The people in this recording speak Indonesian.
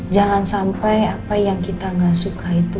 jangan sampai apa yang kita gak suka itu